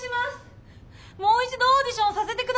もう一度オーディションをさせて下さい。